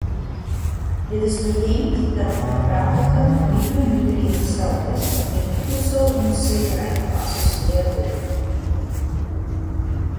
Dit is bekend dat 'n gebrekkige mikronutriënt-status met voedselonsekerheid geassosieer word.